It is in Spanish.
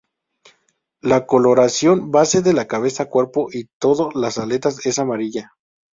La coloración base de la cabeza, cuerpo, y todas las aletas es amarilla.